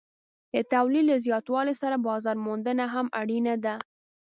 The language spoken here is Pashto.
د تولید له زیاتوالي سره بازار موندنه هم اړینه ده.